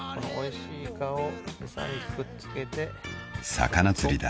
［魚釣りだ］